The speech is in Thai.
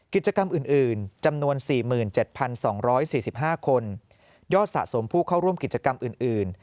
กิจกรรมอื่นจำนวน๔๗๒๔๕คนยอดสะสมผู้เข้าร่วมกิจกรรมอื่น